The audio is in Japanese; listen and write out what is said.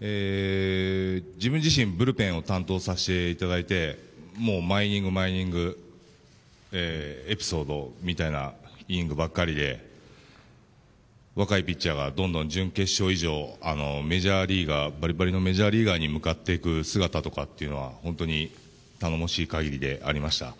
自分自身ブルペンを担当させていただいて毎イニング、毎イニングエピソードみたいなイニングばっかりで若いピッチャーが準決勝以降バリバリのメジャーリーガーに向かっていく姿とかは本当に頼もしい限りでありました。